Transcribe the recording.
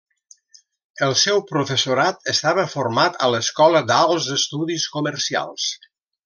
El seu professorat estava format a l'Escola d'Alts Estudis Comercials.